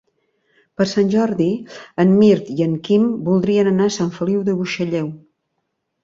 Per Sant Jordi en Mirt i en Quim voldrien anar a Sant Feliu de Buixalleu.